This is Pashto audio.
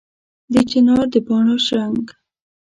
د چنار د پاڼو شرنګ